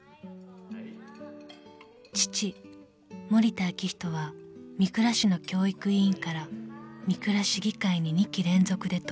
［父森田明仁は御倉市の教育委員から御倉市議会に２期連続で当選］